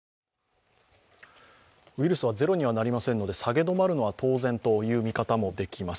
ウイルスはゼロにはなりませんので、下げ止まるのは当然という見方も出ます。